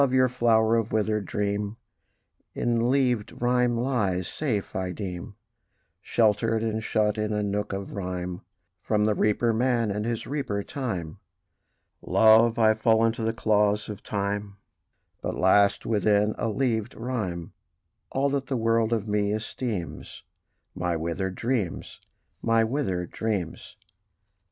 your flower of withered dream In leavèd rhyme lies safe, I deem, Sheltered and shut in a nook of rhyme, From the reaper man, and his reaper Time. Love! I fall into the claws of Time: But lasts within a leavèd rhyme All that the world of me esteems My withered dreams, my withered dreams.